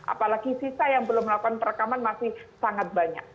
apalagi sisa yang belum melakukan perekaman masih sangat banyak